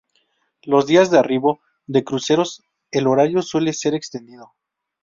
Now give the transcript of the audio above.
Los días de arribo de cruceros el horario suele ser extendido.